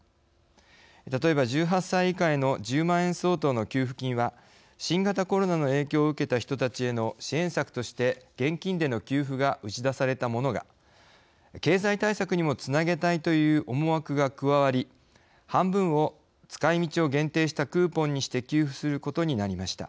例えば１８歳以下への１０万円相当の給付金は新型コロナの影響を受けた人たちへの支援策として現金での給付が打ち出されたものが経済対策にもつなげたいという思惑が加わり半分を使い道を限定したクーポンにして給付することになりました。